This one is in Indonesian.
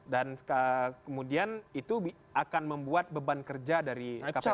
dan kemudian itu akan membuat beban kerja dari kppt yang sederingan